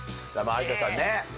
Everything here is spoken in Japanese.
有田さんね